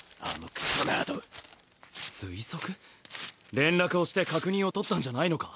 連絡をして確認を取ったんじゃないのか？